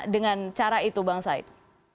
dengan cara itu bang said